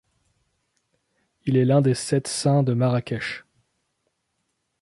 Il est l'un des sept saints de Marrakech.